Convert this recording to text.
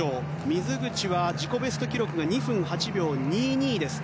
水口は自己ベスト記録が２分８秒２２です。